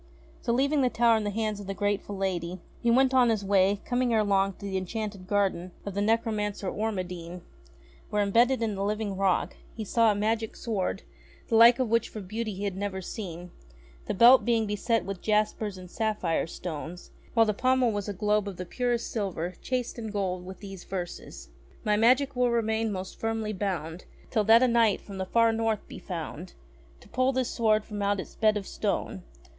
So, leaving the tower in the hands of the grateful lady, he went on his way, coming ere long to the Enchanted Gar den of the necromancer Ormadine, where, embedded in the living rock, he saw a magic sword, the like of which for beauty he had never seen, the belt being beset with jaspers and sapphire stones, while the pommel was a globe of the purest silver chased in gold with these verses : 12 ENGLISH FAIRY TALES My magic will remain most firmly bound Till that a knight from the far north be found To pull this sword from out its bed of stone.